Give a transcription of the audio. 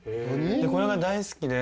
これが大好きで。